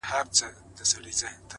هو زه پوهېږمه’ خیر دی یو بل چم وکه’